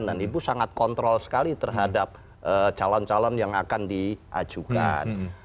dan ibu sangat kontrol sekali terhadap calon calon yang akan diajukan